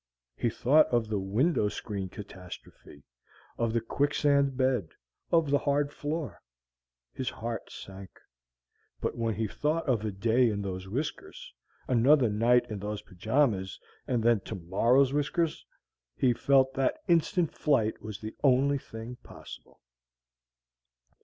He thought of the window screen catastrophe, of the quicksand bed, of the hard floor; his heart sank. But when he thought of a day in those whiskers, another night in those pajamas, and then tomorrow's whiskers, he felt that instant flight was the only thing possible.